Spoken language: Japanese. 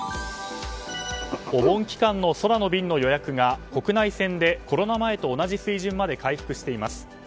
お盆期間の空の便の予約が国内線でコロナ前と同じ水準まで回復しています。